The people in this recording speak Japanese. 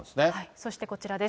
そしてこちらです。